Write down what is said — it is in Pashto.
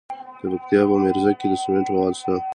د پکتیا په میرزکه کې د سمنټو مواد شته.